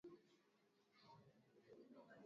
nchi za afrika pia hazijawa na